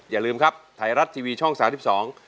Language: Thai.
อย่าลืมครับไทยรัฐทีวีช่องสามสิบสอง